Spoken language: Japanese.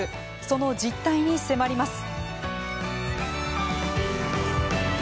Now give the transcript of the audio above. その実態に迫ります。